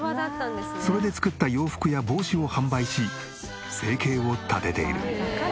それで作った洋服や帽子を販売し生計を立てている。